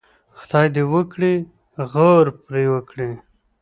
خدای دې وکړي غور پرې وکړي.